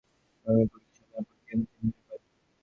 ধর্মের প্রকৃত সাধনা প্রত্যেকের নিজের নিজের কাজ।